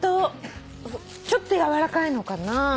ちょっとやわらかいのかな。